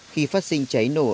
khi phát sinh cháy nổ